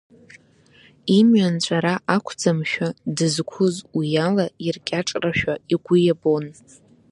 Имҩа нҵәара ақәӡамшәа, дызқәыз уиала иркьаҿрашәа игәы иабон.